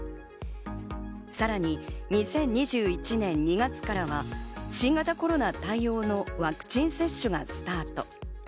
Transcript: さらに２０２１年２月からは新型コロナ対応のワクチン接種がスタート。